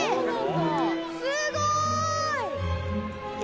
すごい！